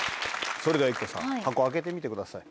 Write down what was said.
それでは生田さん箱開けてみてください。